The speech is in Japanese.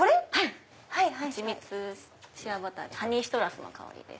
はちみつ＆シアバターハニーシトラスの香りです。